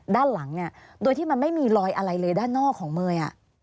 ด้านหลังเนี่ยโดยที่มันไม่มีรอยอะไรเลยด้านนอกของเมย์